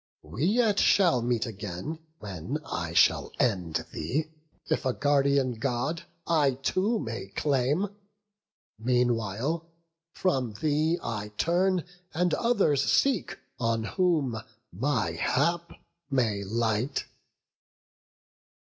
We yet shall meet again; When I shall end thee, if a guardian God I too may claim; meanwhile, from thee I turn, And others seek on whom my hap may light."